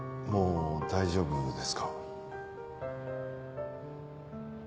もう大丈夫です。